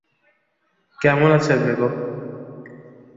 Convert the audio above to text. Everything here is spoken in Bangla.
কেমন আছেন বেগম?